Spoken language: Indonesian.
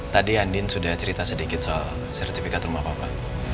tadi andin sudah cerita sedikit soal sertifikat rumah papa